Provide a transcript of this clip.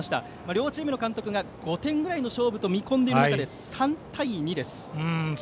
両チームの監督が５点ぐらいの勝負と見込んでいる中で３対２です。